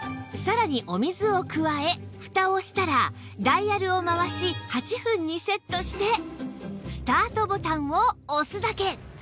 さらにお水を加えふたをしたらダイヤルを回し８分にセットしてスタートボタンを押すだけ